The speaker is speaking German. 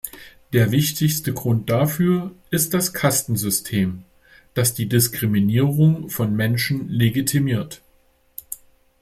Der wichtigste Grund dafür ist das Kastensystem, das die Diskriminierung von Menschen legitimiert.